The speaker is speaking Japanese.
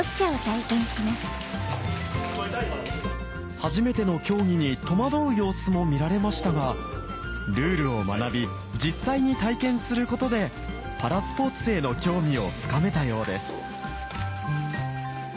・初めての競技に戸惑う様子も見られましたがルールを学び実際に体験することでパラスポーツへの興味を深めたようです